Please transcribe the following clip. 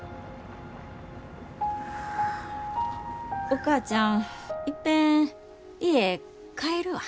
お母ちゃんいっぺん家帰るわ。